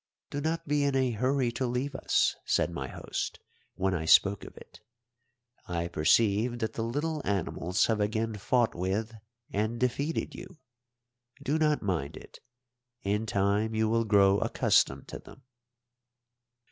"Do not be in a hurry to leave us," said my host, when I spoke of it. "I perceive that the little animals have again fought with and defeated you. Do not mind it; in time you will grow accustomed to them."